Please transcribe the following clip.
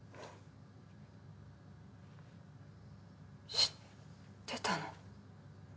知ってたの？